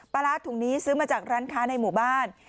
ปลาร้าถุงนี้ซื้อมาจากร้านค้าในหมู่บ้าน